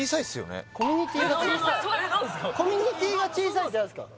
コミュニティが小さいって何すか？